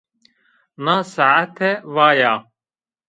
Na saete vay a